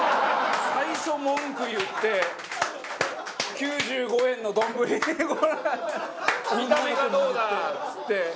最初文句言って９５円の丼に見た目がどうだっつって。